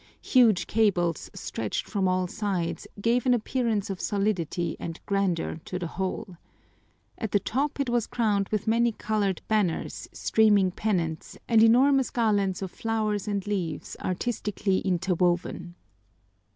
Huge cables stretched from all sides gave an appearance of solidity and grandeur to the whole. At the top it was crowned with many colored banners, streaming pennants, and enormous garlands of flowers and leaves artistically interwoven.